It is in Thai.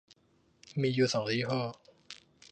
มีอยู่สองยี่ห้อ